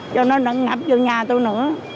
cho nó đừng ngập vô nhà tôi nữa